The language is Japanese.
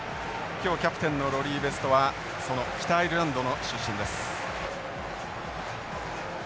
今日キャプテンのロリーベストはその北アイルランドの出身です。